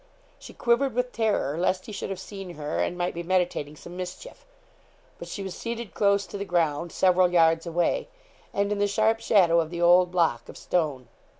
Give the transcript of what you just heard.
She quivered with terror lest he should have seen her, and might be meditating some mischief. But she was seated close to the ground, several yards away, and in the sharp shadow of the old block of stone.